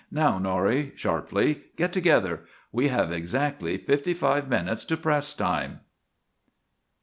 "Now, Norrie," sharply, "get together! We have exactly fifty five minutes to press time!"